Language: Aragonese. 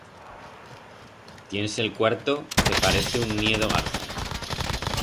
Tiens el cuarto que parece un niedo garzas.